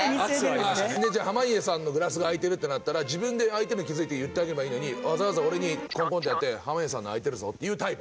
濱家さんのグラスが空いてるってなったら自分で空いてるの気づいて言ってあげればいいのにわざわざ俺にコンコンってやって「濱家さんの空いてるぞ」って言うタイプ。